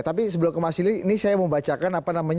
tapi sebelum kemas ini saya mau bacakan